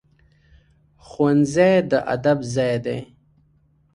ښوونځی د ادب ځای دی